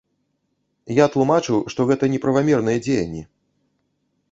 Я тлумачыў, што гэта неправамерныя дзеянні!